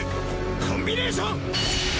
コンビネーション！！